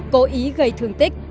cố ý gây thương tích